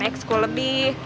naik sekolah lebih